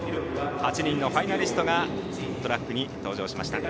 ８人のファイナリストがトラックに登場しました。